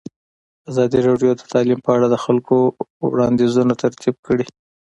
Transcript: ازادي راډیو د تعلیم په اړه د خلکو وړاندیزونه ترتیب کړي.